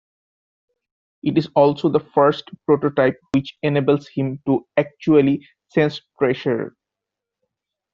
It is also the first prototype which enables him to actually sense pressure.